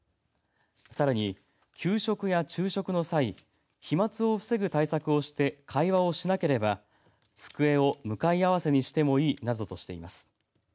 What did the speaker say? さらに給食や昼食の際飛まつを防ぐ対策をして会話をしなければ机を向かい合わせにしてもいいなどとしています。